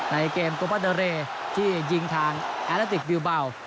ในเกมโกปาเดอเรย์ที่ยิงทางแอนาติกบิวเบา